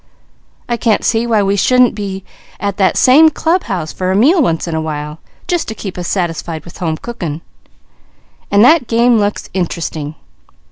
I can't see why we shouldn't be at that same club house for a meal once in a while, just to keep us satisfied with home cooking, and that game looks interesting.